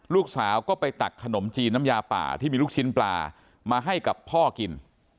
ลูกสาวก็ไปตักขนมจีนน้ำยาป่าที่มีลูกชิ้นปลามาให้กับพ่อกิน